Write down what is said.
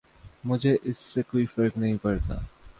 مجھے اس سے کوئی فرق نہیں پڑتا